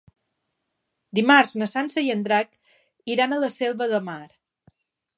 Dimarts na Sança i en Drac iran a la Selva de Mar.